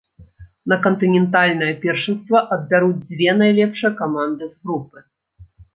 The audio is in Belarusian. На кантынентальнае першынства адбяруць дзве найлепшыя каманды з групы.